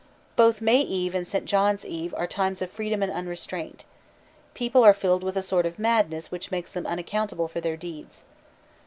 Both May Eve and St. John's Eve are times of freedom and unrestraint. People are filled with a sort of madness which makes them unaccountable for their deeds.